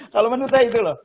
kalau menurut saya itu loh